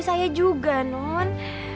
saya juga non